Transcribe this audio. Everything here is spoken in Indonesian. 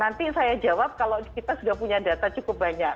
nanti saya jawab kalau kita sudah punya data cukup banyak